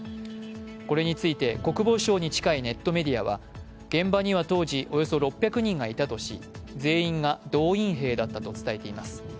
これについて国防省に近いネットメディアは現場には当時およそ６００人がいたとし全員が動員兵だったと伝えています。